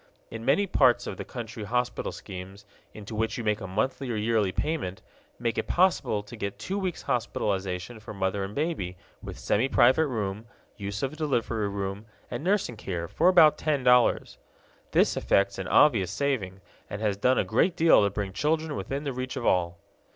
In many parts of the country hospital schemes, into which you make a monthly or yearly payment, make it possible to get two weeks' hospitalization for mother and baby, with semi private room, use of delivery room, and nursing care, for about ten dollars. This effects an obvious saving, and has done a great deal to bring children within the reach of all.